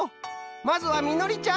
まずはみのりちゃん。